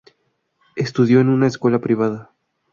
Estudió en una escuela privada.